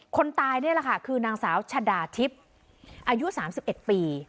คนตายนี่แหละค่ะคือนางสาวชะดาทิพย์อายุ๓๑ปี